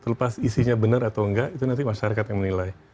terlepas isinya benar atau enggak itu nanti masyarakat yang menilai